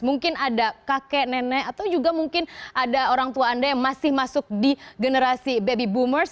mungkin ada kakek nenek atau juga mungkin ada orang tua anda yang masih masuk di generasi baby boomers